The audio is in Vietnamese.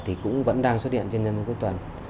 thì cũng vẫn đang xuất hiện trên nhân dân cuối tuần